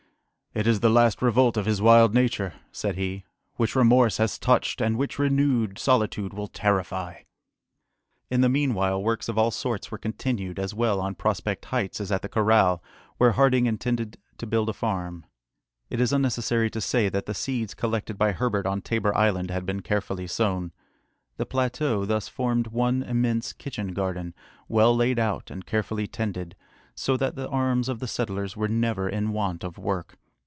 "It is the last revolt of his wild nature," said he, "which remorse has touched, and which renewed solitude will terrify." In the meanwhile, works of all sorts were continued, as well on Prospect Heights as at the corral, where Harding intended to build a farm. It is unnecessary to say that the seeds collected by Herbert on Tabor Island had been carefully sown. The plateau thus formed one immense kitchen garden, well laid out and carefully tended, so that the arms of the settlers were never in want of work.